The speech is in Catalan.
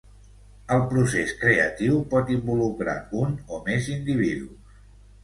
El procés creatiu pot involucrar un o més individus.